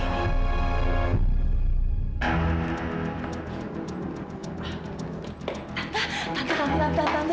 tante tante kamila tante tante